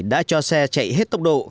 đã cho xe chạy hết tốc độ